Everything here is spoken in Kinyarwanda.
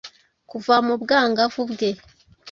Kuva mu bwangavu bwe,